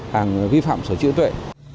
hàng vi phạm sở trị tuệ